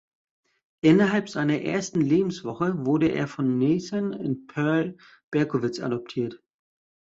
Innerhalb seiner ersten Lebenswoche wurde er von Nathan und Pearl Berkowitz adoptiert.